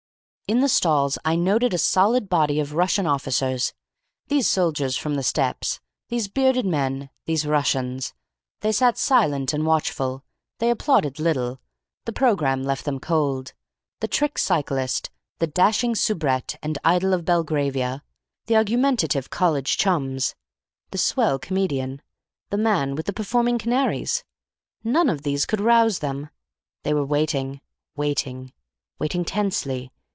"In the stalls I noted a solid body of Russian officers. These soldiers from the Steppes. These bearded men. These Russians. They sat silent and watchful. They applauded little. The programme left them cold. The Trick Cyclist. The Dashing Soubrette and Idol of Belgravia. The Argumentative College Chums. The Swell Comedian. The Man with the Performing Canaries. None of these could rouse them. They were waiting. Waiting. Waiting tensely.